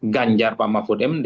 ganjar pak mahfud md